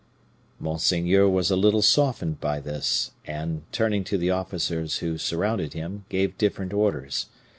"Monseigneur was a little softened by this; and, turning to the officers who surrounded him, gave different orders.